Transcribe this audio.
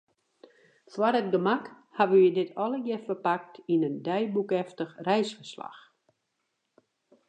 Foar it gemak hawwe wy dit allegearre ferpakt yn in deiboekeftich reisferslach.